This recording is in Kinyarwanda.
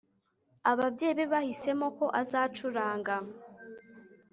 ababyeyi be bahisemo ko azacuranga